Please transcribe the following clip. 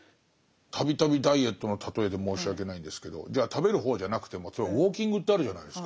度々ダイエットの例えで申し訳ないんですけど食べる方じゃなくても例えばウォーキングってあるじゃないですか。